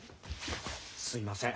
すいません。